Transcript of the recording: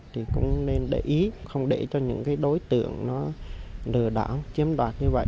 thì cũng nên để ý không để cho những đối tượng lừa đảo chiếm đoạt như vậy